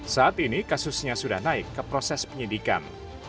saat ini kasusnya sudah naik ke proses penyidikan